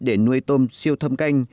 để nuôi tôm siêu thâm canh